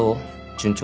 順調？